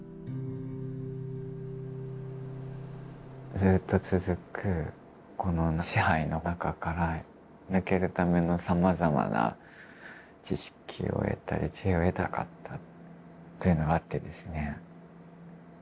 ずっと続くこの支配の中から抜けるためのさまざまな知識を得たり知恵を得たかったというのがあってですね。